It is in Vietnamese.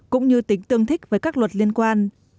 cũng như tính tương thích với các luật liên quan